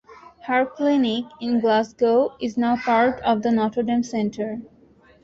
Her clinic in Glasgow is now part of the Notre Dame Centre.